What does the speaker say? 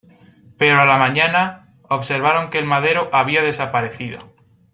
Pero a la mañana, observaron que el madero había desaparecido.